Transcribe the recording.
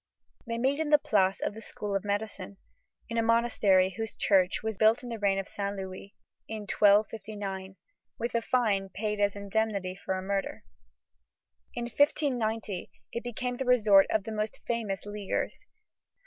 They meet in the Place of the School of Medicine, in a monastery whose church was built in the reign of Saint Louis, in 1259, with the fine paid as indemnity for a murder. In 1590, it became the resort of the most famous Leaguers.